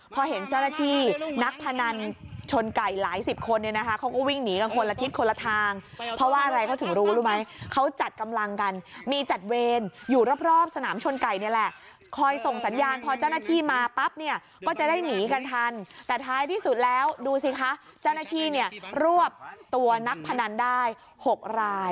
พอเห็นเจ้าหน้าที่นักพนันชนไก่หลายสิบคนเนี่ยนะคะเขาก็วิ่งหนีกันคนละทิศคนละทางเพราะว่าอะไรเขาถึงรู้รู้ไหมเขาจัดกำลังกันมีจัดเวรอยู่รอบสนามชนไก่นี่แหละคอยส่งสัญญาณพอเจ้าหน้าที่มาปั๊บเนี่ยก็จะได้หนีกันทันแต่ท้ายที่สุดแล้วดูสิคะเจ้าหน้าที่เนี่ยรวบตัวนักพนันได้๖ราย